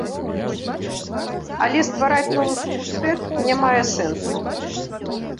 Але ствараць новы факультэт не мае сэнсу.